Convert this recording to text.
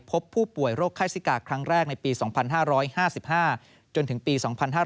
พบผู้ป่วยโรคไข้ซิกาครั้งแรกในปี๒๕๕๕จนถึงปี๒๕๕๙